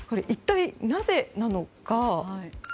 一体なぜなのか。